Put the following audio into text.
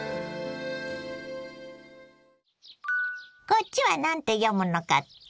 こっちは何て読むのかって？